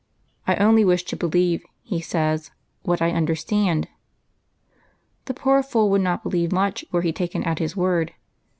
"I only wish to believe/' he gays, " what I understand "! The poor fool would not be lieve much were he taken at his word.